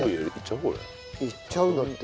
いっちゃうんだって。